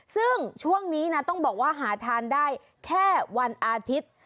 ซึ่งช่วงนี้นะต้องบอกว่าหาทานได้แค่วันอาทิตย์